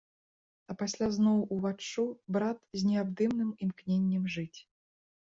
А пасля зноў уваччу брат з неабдымным імкненнем жыць.